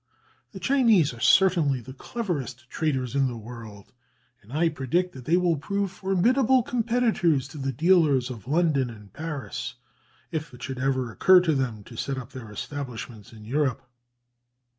The Chinese are certainly the cleverest traders in the world, and I predict that they will prove formidable competitors to the dealers of London and Paris, if it should ever occur to them to set up their establishments in Europe.